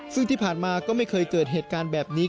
ซึ่งที่ผ่านมาก็ไม่เคยเกิดเหตุการณ์แบบนี้